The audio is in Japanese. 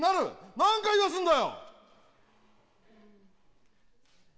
何回言わすんだよ。